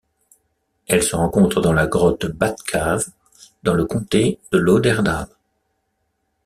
Elle se rencontre dans la grotte Bat Cave dans le comté de Lauderdale.